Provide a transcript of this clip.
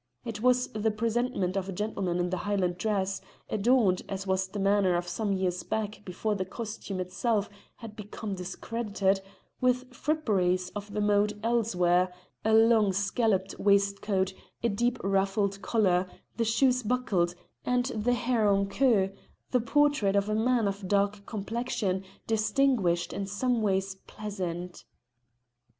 It was the presentment of a gentleman in the Highland dress, adorned, as was the manner of some years back before the costume itself had become discredited, with fripperies of the mode elsewhere a long scalloped waistcoat, a deep ruffled collar, the shoes buckled, and the hair en queue, the portrait of a man of dark complexion, distinguished and someways pleasant.